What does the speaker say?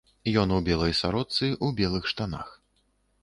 Ён у белай сарочцы, у белых штанах.